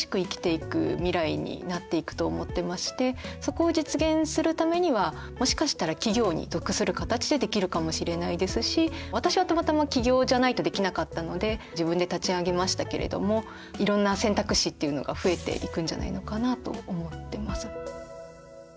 これから世の中はそこを実現するためにはもしかしたら企業に属する形でできるかもしれないですし私はたまたま起業じゃないとできなかったので自分で立ち上げましたけれどもいろんな選択肢っていうのが増えていくんじゃないのかなと思ってます。